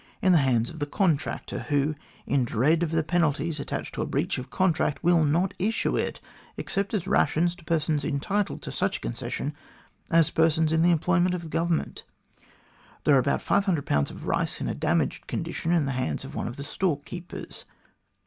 in the hands of the contractor, who, in dread of the penalties attached to a breach of contract, will not issue it except as rations to persons entitled to such a concession as persons in the employment of the Govern ment. There are about 500 Ibs. of rice in a damaged condition in the hands of one of the storekeepers.